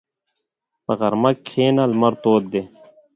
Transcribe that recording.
په غرمه کښېنه، لمر تود دی.